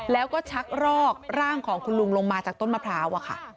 แล้วก็ชักรอกร่างของคุณลุงลงมาจากต้นมะพร้าว